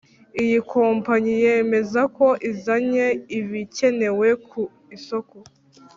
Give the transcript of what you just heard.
Iyi kompanyi yemeza ko izanye ibikenewe ku isoko